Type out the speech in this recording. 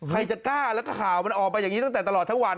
ใครจะกล้าแล้วก็ข่าวมันออกมาอย่างนี้ตั้งแต่ตลอดทั้งวัน